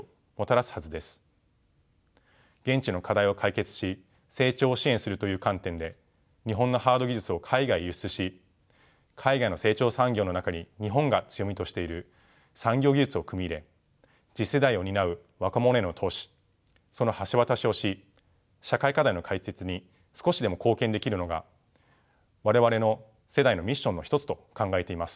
現地の課題を解決し成長を支援するという観点で日本のハード技術を海外へ輸出し海外の成長産業の中に日本が強みとしている産業技術を組み入れ次世代を担う若者への投資その橋渡しをし社会課題の解決に少しでも貢献できるのが我々の世代のミッションの一つと考えています。